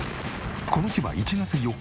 この日は１月４日。